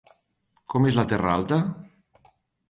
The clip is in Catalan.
Com és la Terra alta?